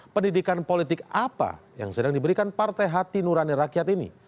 pendidikan politik apa yang sedang diberikan partai hati nurani rakyat ini